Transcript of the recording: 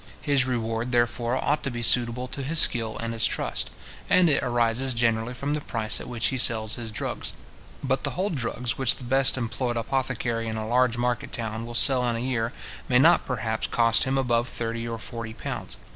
His reward, therefore, ought to be suitable to his skill and his trust; and it arises generally from the price at which he sells his drugs. But the whole drugs which the best employed apothecary in a large market town, will sell in a year, may not perhaps cost him above thirty or forty pounds.